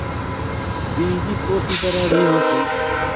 بیج ءِی پوسی تاں رڑھ ءِی ہوسی